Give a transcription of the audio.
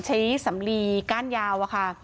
ใช้สำลีก้านยาวอะค่ะ